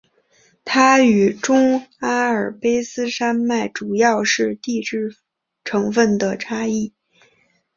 它与中阿尔卑斯山脉主要是地质成分的差异。